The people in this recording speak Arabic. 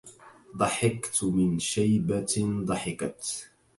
ضحكت من شيبة ضحكت